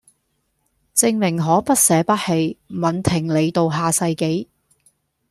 證明可不捨不棄吻停你到下世紀